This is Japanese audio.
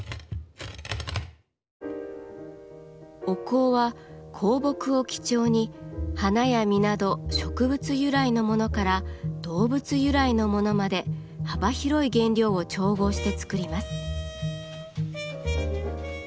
お香は香木を基調に花や実など植物由来のものから動物由来のものまで幅広い原料を調合して作ります。